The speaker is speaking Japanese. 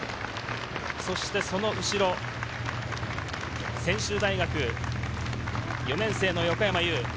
そしてその後ろ、専修大学４年生の横山佑羽。